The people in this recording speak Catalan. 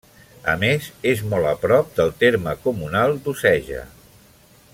A més, és molt a prop del terme comunal d'Oceja.